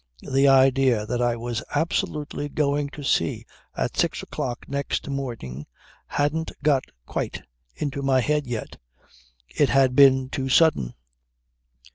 The idea that I was absolutely going to sea at six o'clock next morning hadn't got quite into my head yet. It had been too sudden.